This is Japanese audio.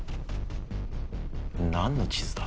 何の地図だ？